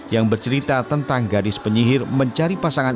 yang bercerita tentang gadis penyihir mencari pasangan